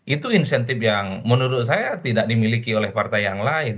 itu insentif yang menurut saya tidak dimiliki oleh partai yang lain